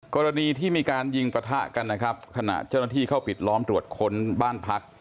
กรณีที่มีการยิงปะทะกันนะครับขณะเจ้าหน้าที่เข้าปิดล้อมตรวจค้นบ้านพัก